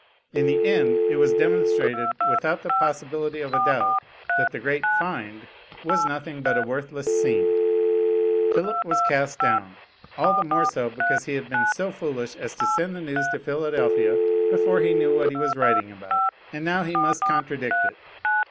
In the end it was demonstrated without the possibility of a doubt that the great "find" was nothing but a worthless seam. Philip was cast down, all the more so because he had been so foolish as to send the news to Philadelphia before he knew what he was writing about. And now he must contradict it.